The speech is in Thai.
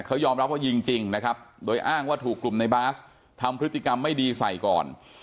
เขายอมรับว่ายิงจริงนะครับโดยอ้างว่าถูกกลุ่มในบาสทำพฤติกรรมไม่ดีใส่ก่อน